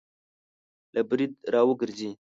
له برید را وګرځي